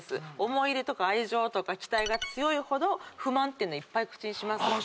思い入れとか愛情とか期待が強いほど不満っていっぱい口にします。